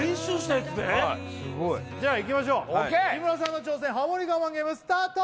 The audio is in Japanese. じゃあいきましょう日村さんの挑戦ハモリ我慢ゲームスタート！